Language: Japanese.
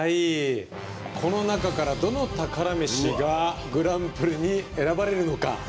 この中からどの宝メシがグランプリに選ばれるのか。